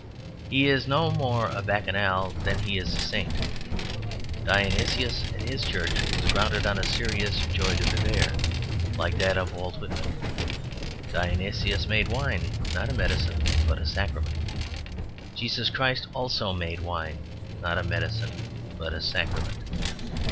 He is no more a Bacchanal than he is a saint. Dionysus and his church was grounded on a serious joie de vivre like that of Walt Whitman. Dionysus made wine, not a medicine, but a sacrament. Jesus Christ also made wine, not a medicine, but a sacrament.